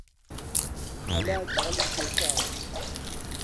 حەلاج هەڵی پێچاوە